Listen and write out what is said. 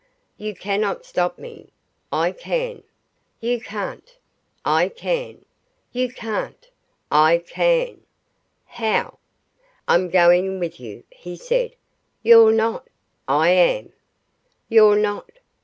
"You cannot stop me." "I can." "You can't." "I can." "You can't." "I can." "How?" "I'm going with you," he said. "You're not." "I am." "You're not."